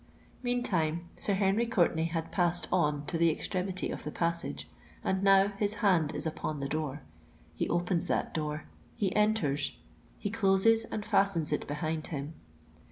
Meantime Sir Henry Courtenay had passed on to the extremity of the passage: and now his hand is upon the door. He opens that door—he enters—he closes and fastens it behind him.